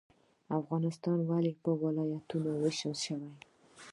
افغانستان ولې په ولایتونو ویشل شوی؟